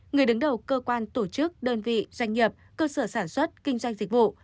người đứng đầu cơ quan tổ chức đơn vị doanh nghiệp cơ sở sản xuất kinh doanh dịch vụ